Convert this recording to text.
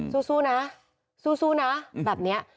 สู้สู้นะสู้นะแบบเนี้ย